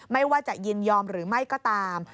ไม่ว่าจะยินยอมหรือไม่ก็ตาม